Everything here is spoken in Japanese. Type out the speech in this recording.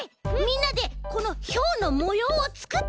みんなでこのヒョウのもようをつくってみようよ！